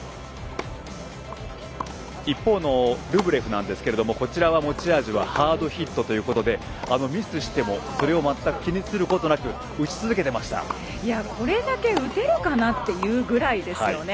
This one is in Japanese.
一方のルブレフなんですけれどもこちらは持ち味はハードヒットということでミスしてもそれを全く気にすることなくこれだけ打てるかなっていうぐらいですよね。